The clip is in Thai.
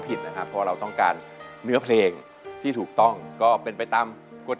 เป็นคำที่ไม่ได้คิด